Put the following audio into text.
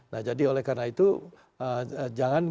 nah jadi oleh karena itu jangan kita menganggap bahwa karena negara itu